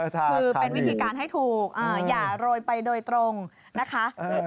คือเป็นวิธีการให้ถูกอย่าโรยไปโดยตรงนะคะ